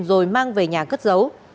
rồi mang về nhà cất giấu